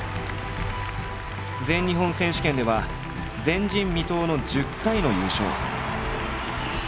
全日本選手権では前人未到の１０回の優勝。